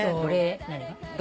何が？